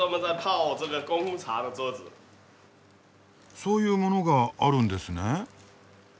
そういうものがあるんですね。